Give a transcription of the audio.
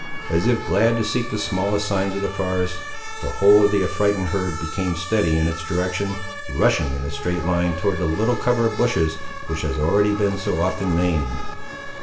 As if glad to seek the smallest signs of the forest, the whole of the affrighted herd became steady in its direction, rushing in a straight line toward the little cover of bushes, which has already been so often named.